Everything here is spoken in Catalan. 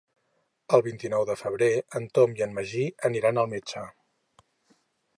El vint-i-nou de febrer en Tom i en Magí aniran al metge.